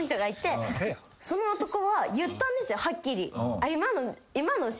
その男は言ったんですよはっきり。